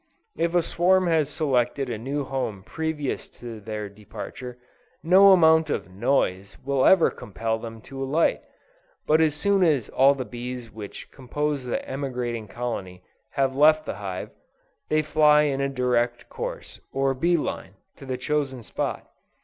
If a swarm has selected a new home previous to their departure, no amount of noise will ever compel them to alight, but as soon as all the bees which compose the emigrating colony have left the hive, they fly in a direct course, or "bee line," to the chosen spot.